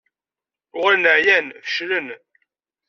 Uɣalen ɛyan, feclen.